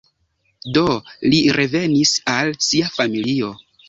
Do li revenis al sia familio.